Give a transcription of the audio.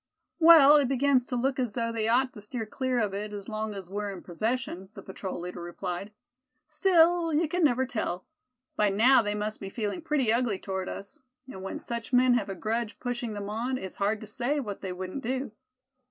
"Well, it begins to look as though they ought to steer clear of it, as long as we're in possession," the patrol leader replied. "Still, you can never tell. By now they must be feeling pretty ugly toward us; and when such men have a grudge pushing them on, it's hard to say what they wouldn't do."